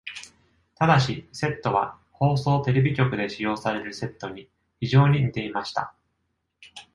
ただし、セットは放送テレビ局で使用されるセットに非常に似ていました。